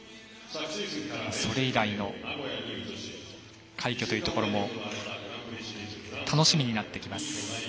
それ以来の快挙というところも楽しみになってきます。